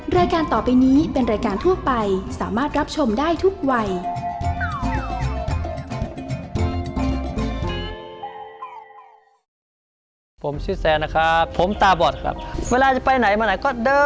รายการต่อไปนี้เป็นรายการทั่วไปสามารถรับชมได้ทุกวัย